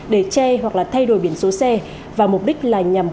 để che hoặc là thay đổi biển số xe và mục đích là nhằm